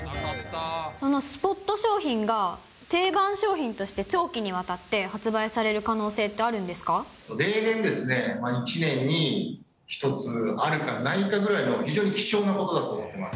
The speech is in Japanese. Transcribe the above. スポット商品が定番商品として長期にわたって発売される可能例年、１年に１つあるかないかぐらいの、非常に貴重なことだと思います。